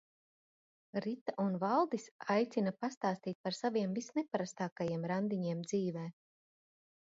Rita un Valdis aicina pastāstīt par saviem visneparastākajiem randiņiem dzīvē.